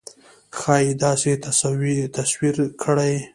ښایي داسې تصویر کړي.